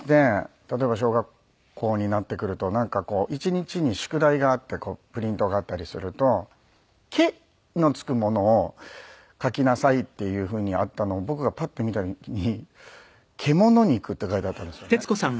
例えば小学校になってくるとなんかこう一日に宿題があってプリントがあったりすると「け」のつくものを書きなさいっていうふうにあったのを僕がパッて見た時に「けもの肉」って書いてあったんですよね。